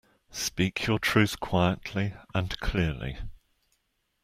Speak your truth quietly and clearly